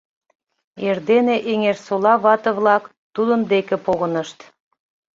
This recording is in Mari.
Эрдене Эҥерсола вате-влак тудын деке погынышт.